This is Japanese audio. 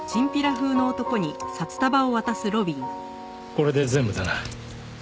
これで全部だな。